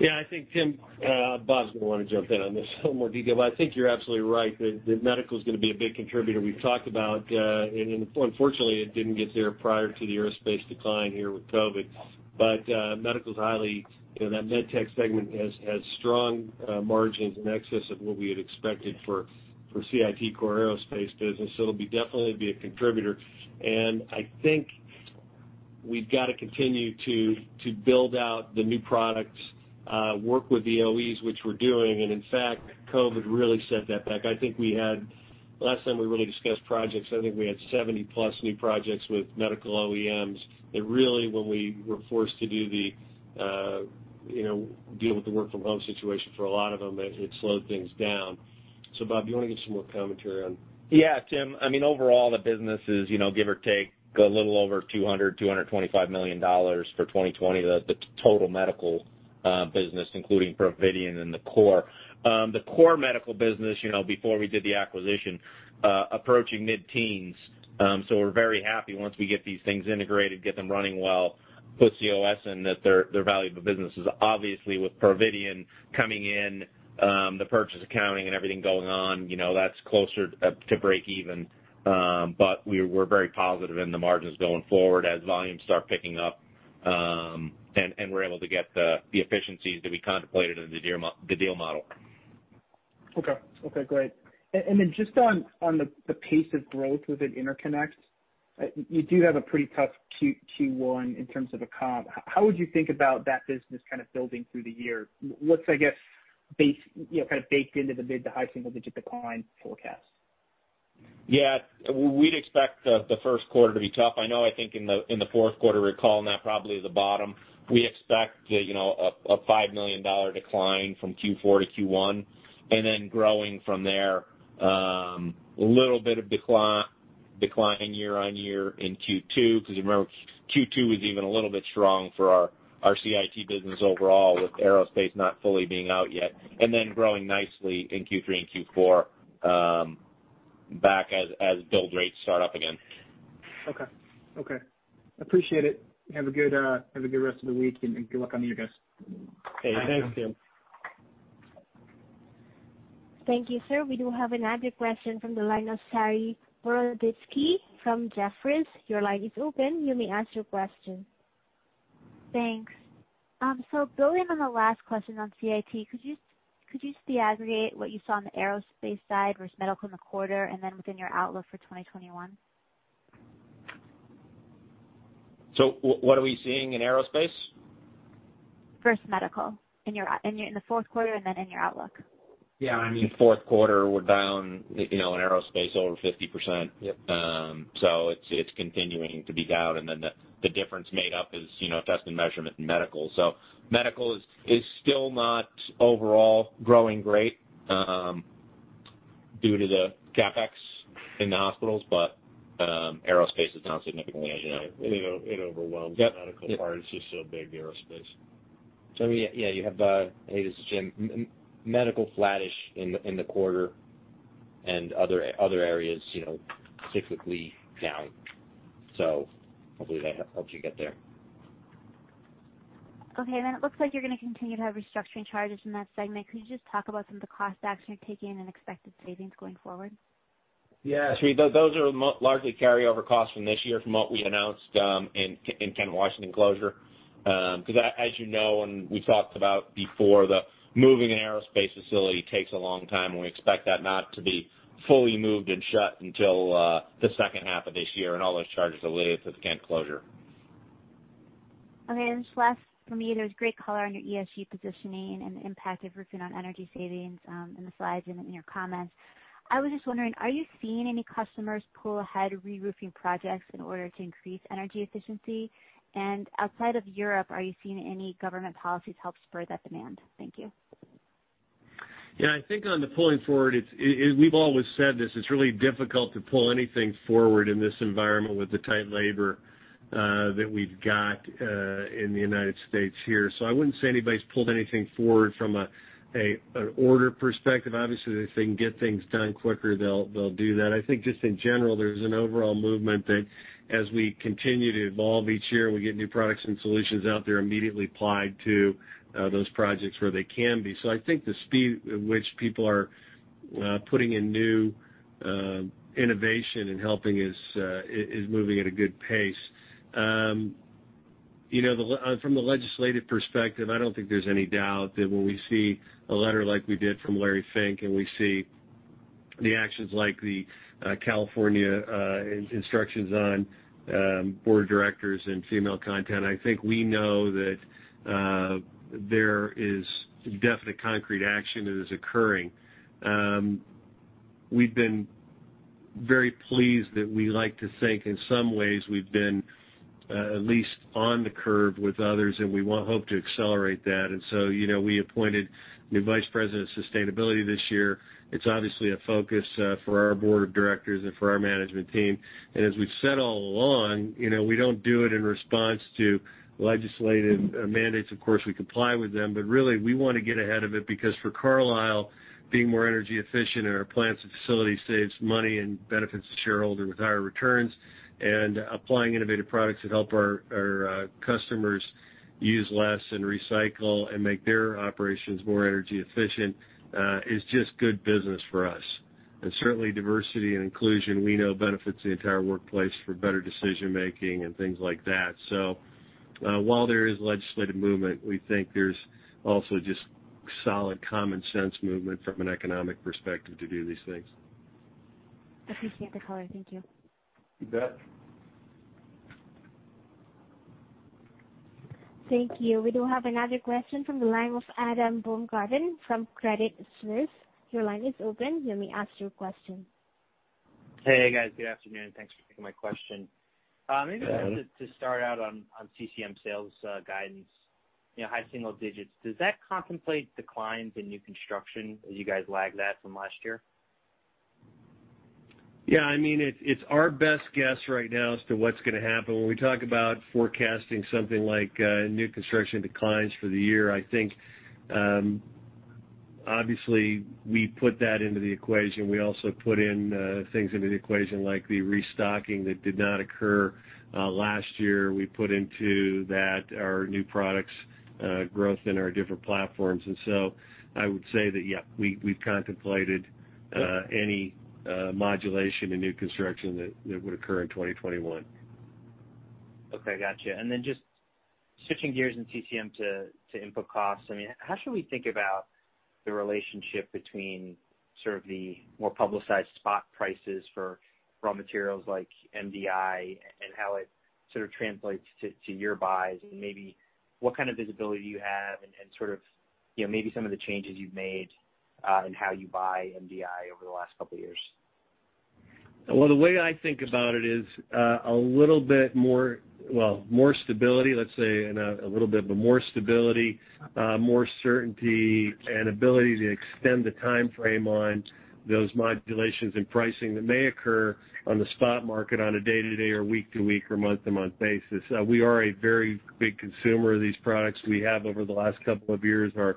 Yeah, I think, Tim, Bob's going to want to jump in on this a little more detail. But I think you're absolutely right that medical is going to be a big contributor. We've talked about, and unfortunately, it didn't get there prior to the aerospace decline here with COVID. But medical is highly that med tech segment has strong margins in excess of what we had expected for CIT core aerospace business. So it'll definitely be a contributor. And I think we've got to continue to build out the new products, work with the OEs, which we're doing. And in fact, COVID really set that back. I think we had last time we really discussed projects, I think we had 70+ new projects with medical OEMs. And really, when we were forced to deal with the work-from-home situation for a lot of them, it slowed things down. So Bob, do you want to give some more commentary on? Yeah, Tim. I mean, overall, the business is, give or take, a little over $200 million-$225 million for 2020, the total medical business, including Providien and the core. The core medical business, before we did the acquisition, approaching mid-teens. So we're very happy once we get these things integrated, get them running well, put COS in, that they're valuable businesses. Obviously, with Providien coming in, the purchase accounting and everything going on, that's closer to break even. But we're very positive in the margins going forward as volumes start picking up and we're able to get the efficiencies that we contemplated in the deal model. Okay. Okay, great. And then just on the pace of growth within interconnect, you do have a pretty tough Q1 in terms of a comp. How would you think about that business kind of building through the year? What's, I guess, kind of baked into the mid to high single-digit decline forecast? Yeah, we'd expect the first quarter to be tough. I know, I think in the fourth quarter, we're calling that probably the bottom. We expect a $5 million decline from Q4 to Q1, and then growing from there, a little bit of decline year on year in Q2. Because remember, Q2 was even a little bit strong for our CIT business overall, with aerospace not fully being out yet, and then growing nicely in Q3 and Q4 back as build rates start up again. Okay. Okay. Appreciate it. Have a good rest of the week and good luck on the year guys. Hey, thanks, Tim. Thank you, sir. We do have another question from the line of Saree Boroditsky from Jefferies. Your line is open. You may ask your question. Thanks. So building on the last question on CIT, could you just disaggregate what you saw on the aerospace side versus medical in the quarter and then within your outlook for 2021? So what are we seeing in aerospace? First medical in the fourth quarter and then in your outlook. Yeah, I mean, fourth quarter we're down in aerospace over 50%. So it's continuing to be down. And then the difference made up is test and measurement in medical. So medical is still not overall growing great due to the CapEx in the hospitals, but aerospace is down significantly. It overwhelms the medical part. It's just so big, the aerospace. So yeah, you have hey, this is Jim medical flattish in the quarter and other areas typically down. So hopefully that helps you get there. Okay, and then it looks like you're going to continue to have restructuring charges in that segment. Could you just talk about some of the costs actually taken and expected savings going forward? Yeah, so those are largely carryover costs from this year from what we announced in Kent, Washington closure. Because as you know, and we've talked about before, the moving an aerospace facility takes a long time. We expect that not to be fully moved and shut until the second half of this year and all those charges are related to the Kent closure. Okay, and just last from you, there was great color on your ESG positioning and the impact of roofing on energy savings in the slides and in your comments. I was just wondering, are you seeing any customers pull ahead reroofing projects in order to increase energy efficiency? And outside of Europe, are you seeing any government policies help spur that demand? Thank you. Yeah, I think on the pulling forward, we've always said this. It's really difficult to pull anything forward in this environment with the tight labor that we've got in the United States here. So I wouldn't say anybody's pulled anything forward from an order perspective. Obviously, if they can get things done quicker, they'll do that. I think just in general, there's an overall movement that as we continue to evolve each year and we get new products and solutions out there, immediately applied to those projects where they can be. So I think the speed at which people are putting in new innovation and helping is moving at a good pace. From the legislative perspective, I don't think there's any doubt that when we see a letter like we did from Larry Fink and we see the actions like the California instructions on board of directors and female representation, I think we know that there is definite concrete action that is occurring. We've been very pleased that we like to think in some ways we've been at least on the curve with others, and we hope to accelerate that. And so we appointed new Vice President of Sustainability this year. It's obviously a focus for our board of directors and for our management team. And as we've said all along, we don't do it in response to legislative mandates. Of course, we comply with them, but really we want to get ahead of it because for Carlisle, being more energy efficient in our plants and facilities saves money and benefits the shareholder with higher returns, and applying innovative products that help our customers use less and recycle and make their operations more energy efficient is just good business for us, and certainly, diversity and inclusion, we know, benefits the entire workplace for better decision-making and things like that, so while there is legislative movement, we think there's also just solid common sense movement from an economic perspective to do these things. Appreciate the color. Thank you. You bet. Thank you. We do have another question from the line of Adam Baumgarten from Credit Suisse. Your line is open. You may ask your question. Hey, guys. Good afternoon. Thanks for taking my question. Maybe just to start out on CCM sales guidance, high single digits. Does that contemplate declines in new construction as you guys lapped that from last year? Yeah, I mean, it's our best guess right now as to what's going to happen. When we talk about forecasting something like new construction declines for the year, I think obviously we put that into the equation. We also put in things into the equation like the restocking that did not occur last year. We put into that our new products growth in our different platforms. And so I would say that, yeah, we've contemplated any modulation in new construction that would occur in 2021. Okay, gotcha. And then just switching gears in CCM to input costs, I mean, how should we think about the relationship between sort of the more publicized spot prices for raw materials like MDI and how it sort of translates to your buys? And maybe what kind of visibility do you have and sort of maybe some of the changes you've made in how you buy MDI over the last couple of years? The way I think about it is a little bit more, well, more stability, let's say, and a little bit more stability, more certainty, and ability to extend the timeframe on those modulations and pricing that may occur on the spot market on a day-to-day or week-to-week or month-to-month basis. We are a very big consumer of these products. We have, over the last couple of years, our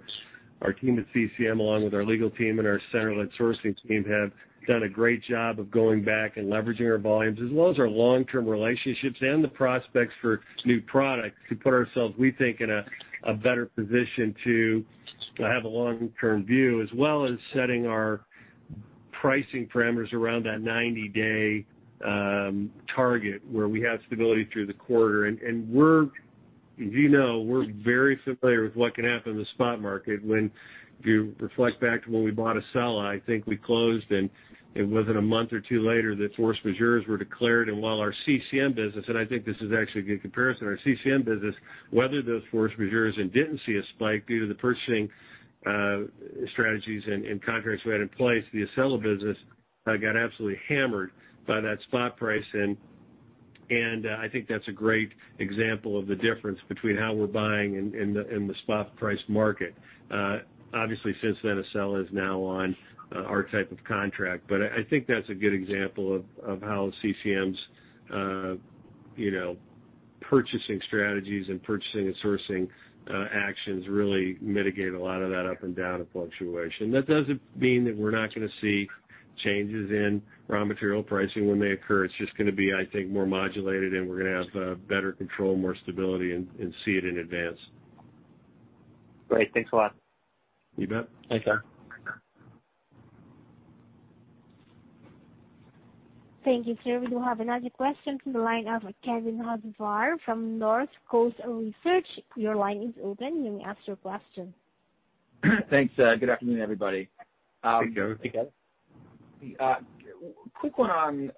team at CCM, along with our legal team and our centralized sourcing team, have done a great job of going back and leveraging our volumes, as well as our long-term relationships and the prospects for new products to put ourselves, we think, in a better position to have a long-term view, as well as setting our pricing parameters around that 90-day target where we have stability through the quarter. As you know, we're very familiar with what can happen in the spot market. When you reflect back to when we bought Accella, I think we closed, and it wasn't a month or two later that force majeures were declared. And while our CCM business, and I think this is actually a good comparison, our CCM business weathered those force majeures and didn't see a spike due to the purchasing strategies and contracts we had in place, the Accella business got absolutely hammered by that spot price. And I think that's a great example of the difference between how we're buying in the spot price market. Obviously, since then, Accella is now on our type of contract. I think that's a good example of how CCM's purchasing strategies and purchasing and sourcing actions really mitigate a lot of that up and down and fluctuation. That doesn't mean that we're not going to see changes in raw material pricing when they occur. It's just going to be, I think, more modulated, and we're going to have better control, more stability, and see it in advance. Great. Thanks a lot. You bet. Thanks, sir. Thank you, sir. We do have another question from the line of Kevin Hocevar from Northcoast Research. Your line is open. You may ask your question. Thanks. Good afternoon, everybody. Hey, Kevin. Quick one on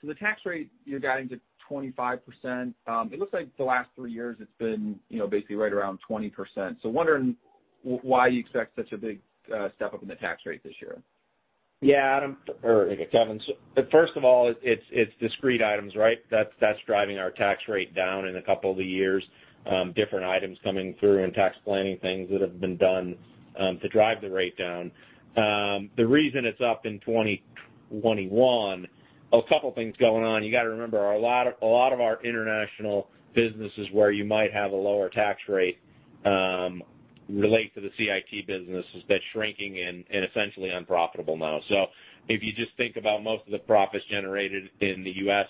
so the tax rate you're guiding to 25%. It looks like the last three years it's been basically right around 20%. So, wondering why you expect such a big step up in the tax rate this year? Yeah, Adam or Kevin. First of all, it's discrete items, right? That's driving our tax rate down in a couple of the years. Different items coming through and tax planning things that have been done to drive the rate down. The reason it's up in 2021, a couple of things going on. You got to remember, a lot of our international businesses where you might have a lower tax rate relate to the CIT business has been shrinking and essentially unprofitable now. So if you just think about most of the profits generated in the U.S.,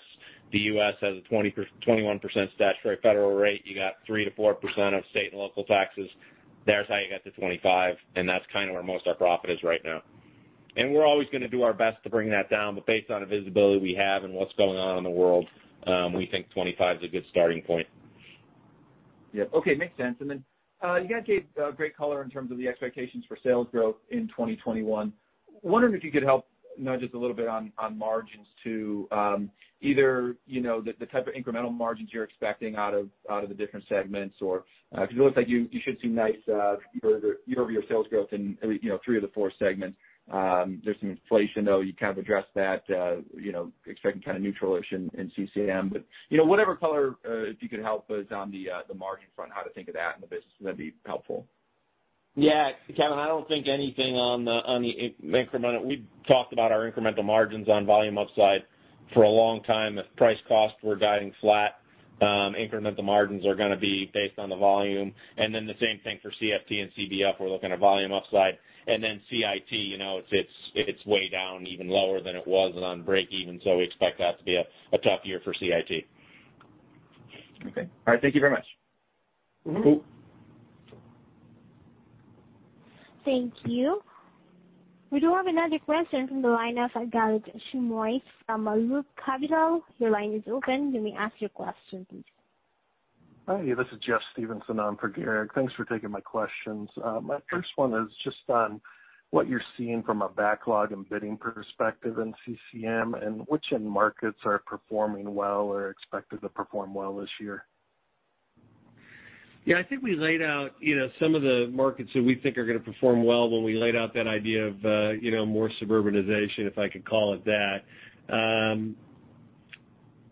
the U.S. has a 21% statutory federal rate. You got 3%-4% of state and local taxes. There's how you get to 25%, and that's kind of where most of our profit is right now. And we're always going to do our best to bring that down. But based on the visibility we have and what's going on in the world, we think 25% is a good starting point. Yeah. Okay. Makes sense. And then you guys gave great color in terms of the expectations for sales growth in 2021. Wondering if you could help not just a little bit on margins to either the type of incremental margins you're expecting out of the different segments. Because it looks like you should see most of your sales growth in three of the four segments. There's some inflation, though. You kind of addressed that, expecting kind of neutral impact in CCM. But whatever color, if you could help us on the margin front, how to think of that in the business, that'd be helpful. Yeah, Kevin, I don't think anything on the incremental. We've talked about our incremental margins on volume upside for a long time. If price costs were guiding flat, incremental margins are going to be based on the volume. And then the same thing for CFT and CBF. We're looking at volume upside. And then CIT, it's way down, even lower than it was on break-even. So we expect that to be a tough year for CIT. Okay. All right. Thank you very much. Thank you. We do have another question from the line of Garik Shmois from Loop Capital. Your line is open. You may ask your question, please. Hi. This is Jeff Stevenson on for Garik. Thanks for taking my questions. My first one is just on what you're seeing from a backlog and bidding perspective in CCM and which end markets are performing well or expected to perform well this year. Yeah, I think we laid out some of the markets that we think are going to perform well when we laid out that idea of more suburbanization, if I could call it that.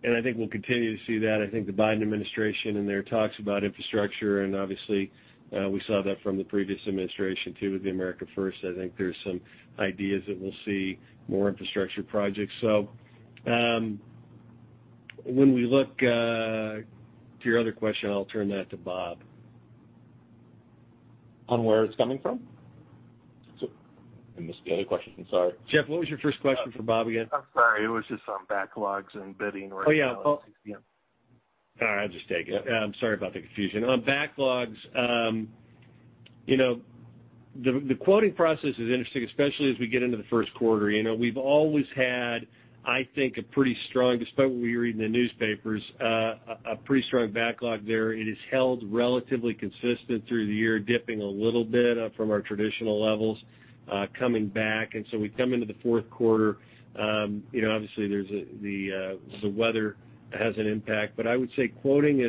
And I think we'll continue to see that. I think the Biden administration and their talks about infrastructure, and obviously we saw that from the previous administration too with the America First. I think there's some ideas that we'll see more infrastructure projects. So when we look to your other question, I'll turn that to Bob. On where it's coming from? And this is the other question. I'm sorry. Jeff, what was your first question for Bob again? I'm sorry. It was just on backlogs and bidding right now. Oh, yeah. All right. I'll just take it. I'm sorry about the confusion. On backlogs, the quoting process is interesting, especially as we get into the first quarter. We've always had, I think, a pretty strong, despite what we read in the newspapers, a pretty strong backlog there. It has held relatively consistent through the year, dipping a little bit from our traditional levels, coming back. And so we come into the fourth quarter. Obviously, the weather has an impact. But I would say quoting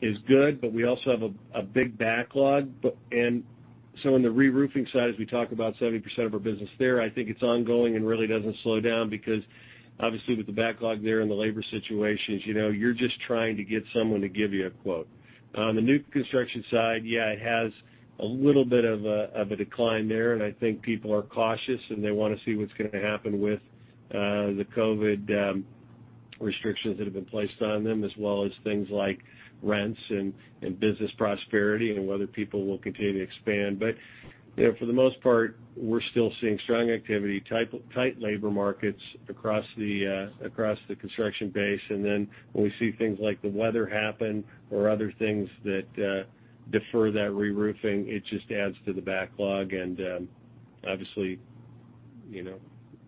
is good, but we also have a big backlog. And so on the reroofing side, as we talk about 70% of our business there, I think it's ongoing and really doesn't slow down because obviously with the backlog there and the labor situations, you're just trying to get someone to give you a quote. On the new construction side, yeah, it has a little bit of a decline there, and I think people are cautious, and they want to see what's going to happen with the COVID restrictions that have been placed on them, as well as things like rents and business prosperity and whether people will continue to expand, but for the most part, we're still seeing strong activity, tight labor markets across the construction base, and then when we see things like the weather happen or other things that defer that reroofing, it just adds to the backlog and obviously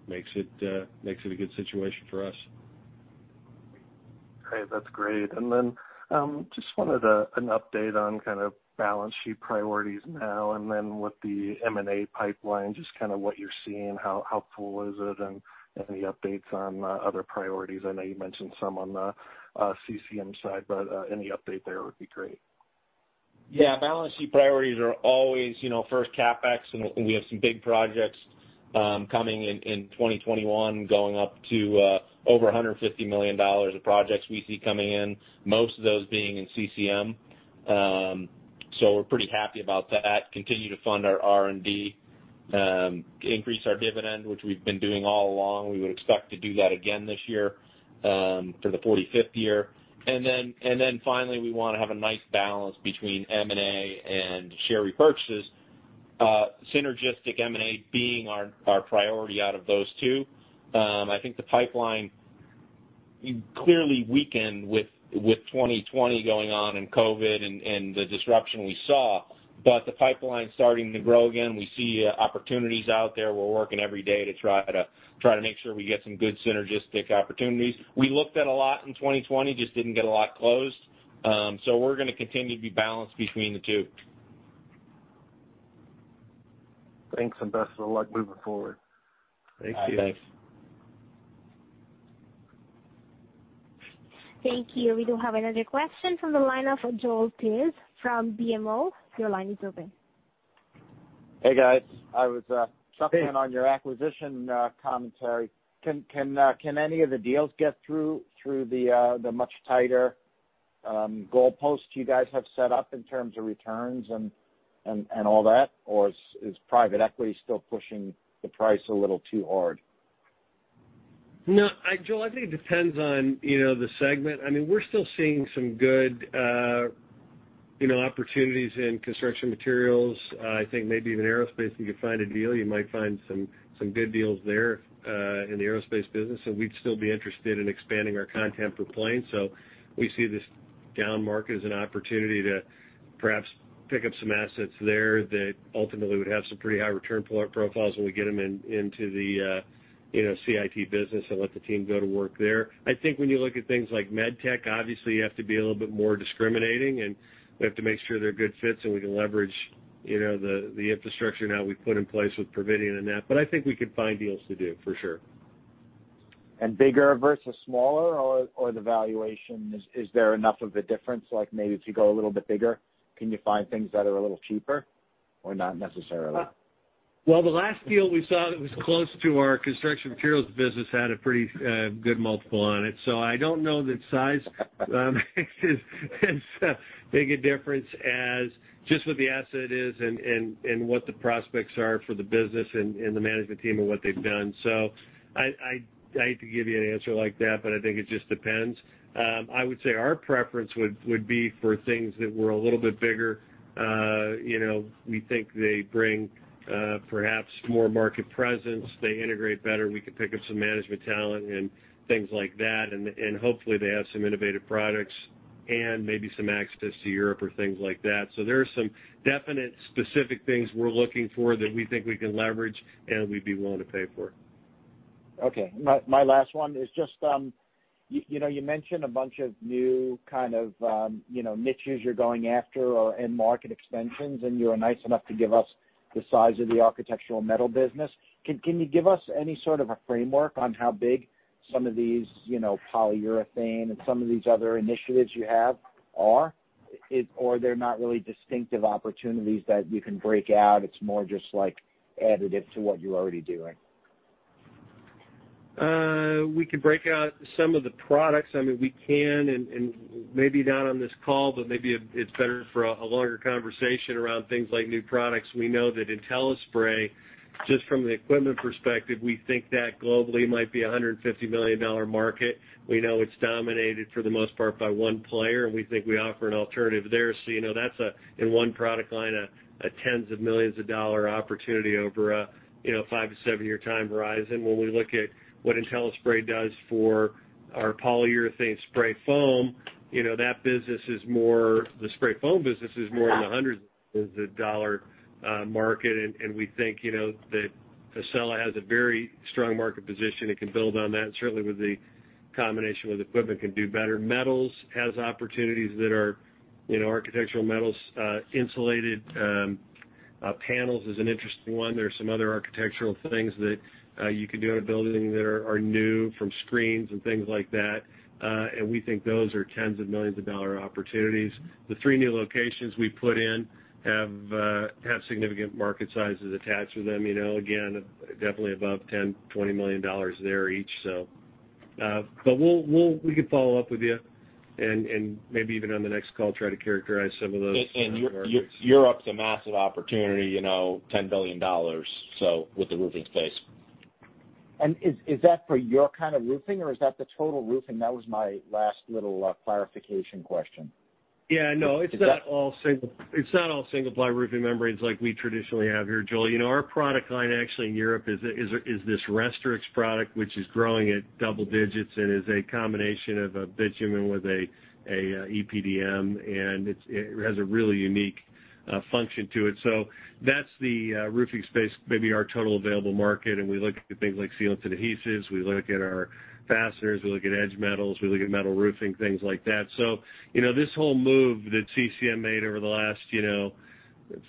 makes it a good situation for us. Okay. That's great. And then just wanted an update on kind of balance sheet priorities now and then with the M&A pipeline, just kind of what you're seeing, how full is it, and any updates on other priorities. I know you mentioned some on the CCM side, but any update there would be great. Yeah. Balance sheet priorities are always first, CapEx, and we have some big projects coming in 2021, going up to over $150 million of projects we see coming in, most of those being in CCM. So we're pretty happy about that. Continue to fund our R&D, increase our dividend, which we've been doing all along. We would expect to do that again this year for the 45th year. And then finally, we want to have a nice balance between M&A and share repurchases, synergistic M&A being our priority out of those two. I think the pipeline clearly weakened with 2020 going on and COVID and the disruption we saw. But the pipeline's starting to grow again. We see opportunities out there. We're working every day to try to make sure we get some good synergistic opportunities. We looked at a lot in 2020, just didn't get a lot closed. So we're going to continue to be balanced between the two. Thanks, and best of luck moving forward. Thank you. Thanks. Thank you. We do have another question from the line of Joel Tiss from BMO. Your line is open. Hey, guys. I was chuckling on your acquisition commentary. Can any of the deals get through the much tighter goalposts you guys have set up in terms of returns and all that? Or is private equity still pushing the price a little too hard? No, Joel, I think it depends on the segment. I mean, we're still seeing some good opportunities in construction materials. I think maybe even aerospace, if you could find a deal, you might find some good deals there in the aerospace business. And we'd still be interested in expanding our content per plane. So we see this down market as an opportunity to perhaps pick up some assets there that ultimately would have some pretty high return profiles when we get them into the CIT business and let the team go to work there. I think when you look at things like med tech, obviously you have to be a little bit more discriminating, and we have to make sure they're good fits and we can leverage the infrastructure now we've put in place with Providien and that. But I think we could find deals to do, for sure. Bigger versus smaller, or the valuation, is there enough of a difference? Maybe if you go a little bit bigger, can you find things that are a little cheaper or not necessarily? The last deal we saw that was close to our construction materials business had a pretty good multiple on it. I don't know that size makes as big a difference as just what the asset is and what the prospects are for the business and the management team and what they've done. I hate to give you an answer like that, but I think it just depends. I would say our preference would be for things that were a little bit bigger. We think they bring perhaps more market presence. They integrate better. We could pick up some management talent and things like that. Hopefully, they have some innovative products and maybe some access to Europe or things like that. There are some definite specific things we're looking for that we think we can leverage and we'd be willing to pay for. Okay. My last one is just you mentioned a bunch of new kind of niches you're going after or end market extensions, and you're nice enough to give us the size of the architectural metal business. Can you give us any sort of a framework on how big some of these polyurethane and some of these other initiatives you have are? Or they're not really distinctive opportunities that you can break out? It's more just additive to what you're already doing? We can break out some of the products. I mean, we can, and maybe not on this call, but maybe it's better for a longer conversation around things like new products. We know that IntelliSpray, just from the equipment perspective, we think that globally might be a $150 million market. We know it's dominated for the most part by one player, and we think we offer an alternative there. So that's, in one product line, a tens of millions of dollar opportunity over a five-to-seven-year time horizon. When we look at what IntelliSpray does for our polyurethane spray foam, that business is more the spray foam business is more in the hundreds of millions of dollar market. And we think that Accella has a very strong market position and can build on that. Certainly, with the combination with equipment, can do better. Metals has opportunities that are architectural metals. Insulated panels is an interesting one. There are some other architectural things that you can do in a building that are new from screens and things like that, and we think those are tens of millions of dollars opportunities. The three new locations we put in have significant market sizes attached to them. Again, definitely above $10 million-$20 million there each, so, but we can follow up with you and maybe even on the next call try to characterize some of those markets. Europe's a massive opportunity, $10 billion, so with the roofing space. Is that for your kind of roofing, or is that the total roofing? That was my last little clarification question. Yeah. No, it's not all single-ply roofing membranes like we traditionally have here, Joel. Our product line actually in Europe is this RESITRIX product, which is growing at double digits and is a combination of a bitumen with an EPDM. It has a really unique function to it. That's the roofing space, maybe our total available market. We look at things like sealants and adhesives. We look at our fasteners. We look at edge metals. We look at metal roofing, things like that. This whole move that CCM made over the last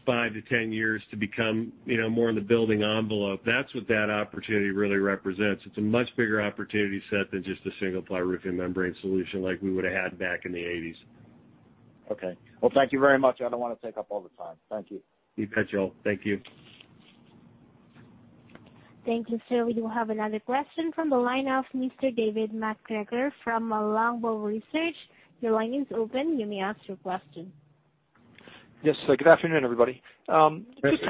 5 to 10 years to become more in the building envelope, that's what that opportunity really represents. It's a much bigger opportunity set than just a single-ply roofing membrane solution like we would have had back in the 1980s. Thank you very much. I don't want to take up all the time. Thank you. You bet, Joel. Thank you. Thank you, sir. We do have another question from the line of Mr. David MacGregor from Longbow Research. Your line is open. You may ask your question. Yes. Good afternoon, everybody. Just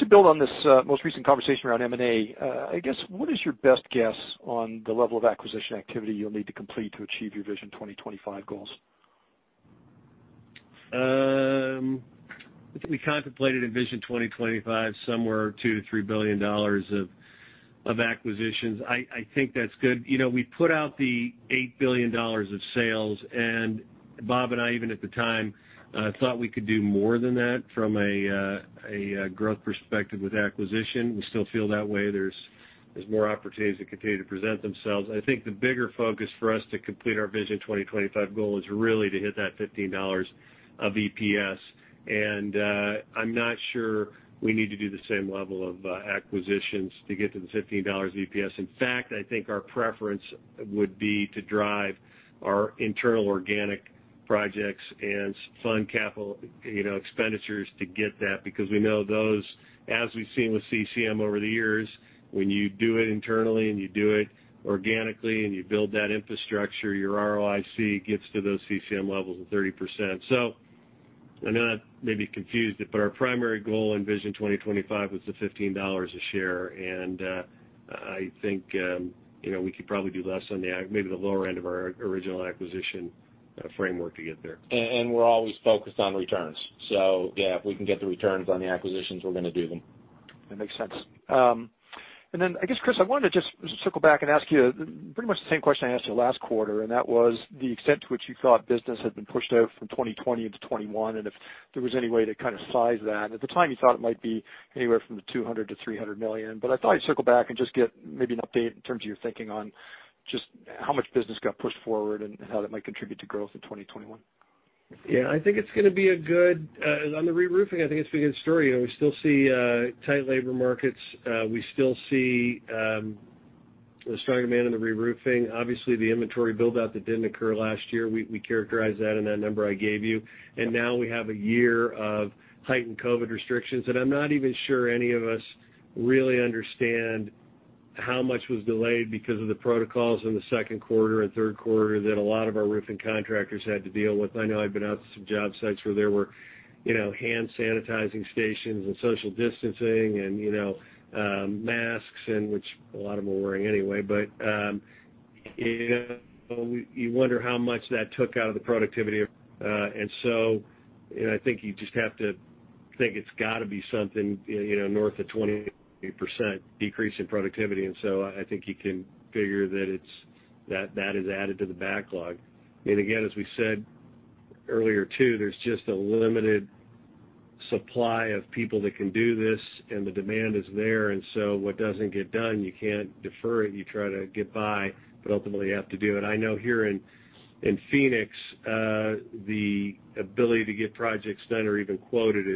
to build on this most recent conversation around M&A, I guess, what is your best guess on the level of acquisition activity you'll need to complete to achieve your Vision 2025 goals? We contemplated in Vision 2025 somewhere $2 billion-$3 billion of acquisitions. I think that's good. We put out the $8 billion of sales, and Bob and I, even at the time, thought we could do more than that from a growth perspective with acquisition. We still feel that way. There's more opportunities to continue to present themselves. I think the bigger focus for us to complete our Vision 2025 goal is really to hit that $15 of EPS, and I'm not sure we need to do the same level of acquisitions to get to the $15 EPS. In fact, I think our preference would be to drive our internal organic projects and fund capital expenditures to get that because we know those, as we've seen with CCM over the years, when you do it internally and you do it organically and you build that infrastructure, your ROIC gets to those CCM levels of 30%. So I know that may be confusing, but our primary goal in Vision 2025 was the $15 a share. And I think we could probably do less on maybe the lower end of our original acquisition framework to get there. And we're always focused on returns. So yeah, if we can get the returns on the acquisitions, we're going to do them. That makes sense. And then, I guess, Chris, I wanted to just circle back and ask you pretty much the same question I asked you last quarter. And that was the extent to which you thought business had been pushed out from 2020 into 2021 and if there was any way to kind of size that. At the time, you thought it might be anywhere from $200 million-$300 million. But I thought you'd circle back and just get maybe an update in terms of your thinking on just how much business got pushed forward and how that might contribute to growth in 2021. Yeah. I think it's going to be a good on the reroofing. I think it's been a good story. We still see tight labor markets. We still see a strong demand in the reroofing. Obviously, the inventory buildout that didn't occur last year, we characterized that in that number I gave you. And now we have a year of heightened COVID restrictions. And I'm not even sure any of us really understand how much was delayed because of the protocols in the second quarter and third quarter that a lot of our roofing contractors had to deal with. I know I've been out to some job sites where there were hand sanitizing stations and social distancing and masks, which a lot of them were wearing anyway. But you wonder how much that took out of the productivity. And so I think you just have to think it's got to be something north of 20% decrease in productivity. And so I think you can figure that that has added to the backlog. And again, as we said earlier, too, there's just a limited supply of people that can do this, and the demand is there. And so what doesn't get done, you can't defer it. You try to get by, but ultimately you have to do it. I know here in Phoenix, the ability to get projects done or even quoted.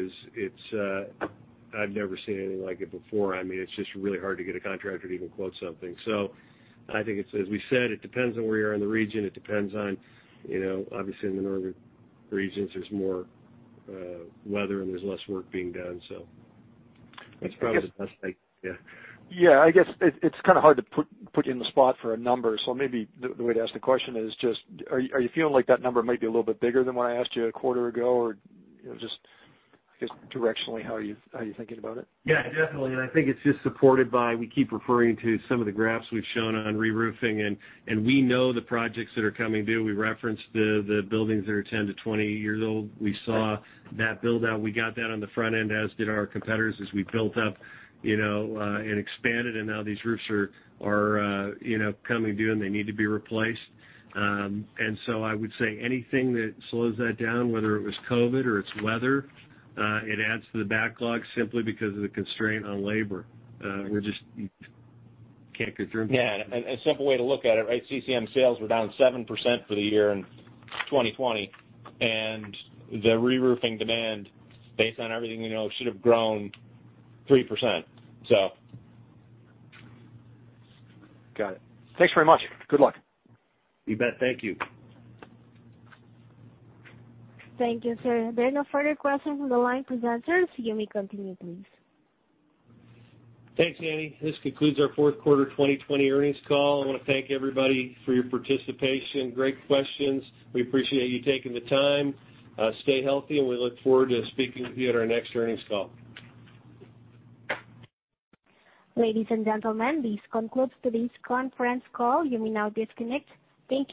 I've never seen anything like it before. I mean, it's just really hard to get a contractor to even quote something. So I think, as we said, it depends on where you are in the region. It depends on, obviously, in the northern regions, there's more weather and there's less work being done. So that's probably the best idea. Yeah. I guess it's kind of hard to put you in the spot for a number. So maybe the way to ask the question is just, are you feeling like that number might be a little bit bigger than what I asked you a quarter ago? Or just, I guess, directionally, how are you thinking about it? Yeah, definitely, and I think it's just supported by we keep referring to some of the graphs we've shown on reroofing, and we know the projects that are coming due. We referenced the buildings that are 10-20 years old. We saw that buildout. We got that on the front end, as did our competitors, as we built up and expanded, and now these roofs are coming due, and they need to be replaced, and so I would say anything that slows that down, whether it was COVID or it's weather, it adds to the backlog simply because of the constraint on labor. We just can't get through them. Yeah. A simple way to look at it, right? CCM sales were down 7% for the year in 2020. And the reroofing demand, based on everything we know, should have grown 3%, so. Got it. Thanks very much. Good luck. You bet. Thank you. Thank you, sir. There are no further questions from the line presenters. You may continue, please. Thanks, Annie. This concludes our fourth quarter 2020 earnings call. I want to thank everybody for your participation. Great questions. We appreciate you taking the time. Stay healthy, and we look forward to speaking with you at our next earnings call. Ladies and gentlemen, this concludes today's conference call. You may now disconnect. Thank you.